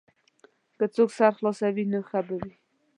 که څوک سر خلاصوي نو ښه به وي.